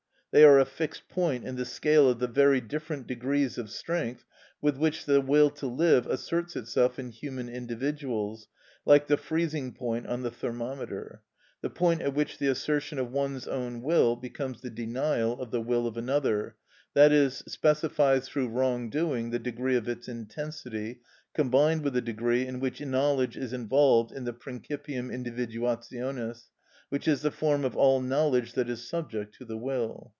They are a fixed point in the scale of the very different degrees of strength with which the will to live asserts itself in human individuals, like the freezing point on the thermometer; the point at which the assertion of one's own will becomes the denial of the will of another, i.e., specifies through wrong doing the degree of its intensity, combined with the degree in which knowledge is involved in the principium individuationis (which is the form of all knowledge that is subject to the will).